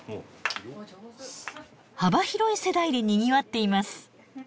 幅広い世代でにぎわっています。